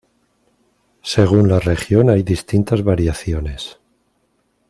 Según la región hay distintas variaciones.